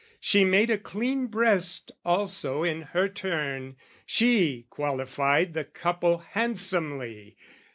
She made a clean breast also in her turn; She qualified the couple handsomely!